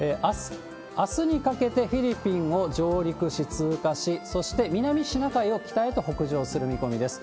あすにかけてフィリピンを上陸し、通過し、そして南シナ海を北へと北上する見込みです。